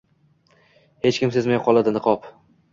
hech kim sezmay qoladi niqob